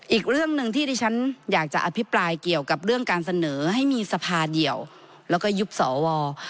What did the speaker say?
อีกเรื่องหนึ่งที่ที่ฉันอยากจะอภิปรายเกี่ยวกับเรื่องการเสนอให้มีสภาเดียวแล้วก็ยุบสว